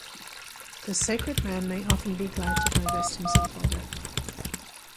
The sacred man may often be glad to divest himself of it.